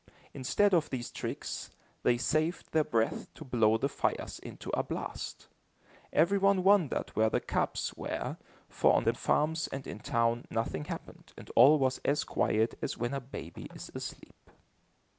Instead of these tricks, they saved their breath to blow the fires into a blast. Everybody wondered where the "kabs" were, for on the farms and in town nothing happened and all was as quiet as when a baby is asleep.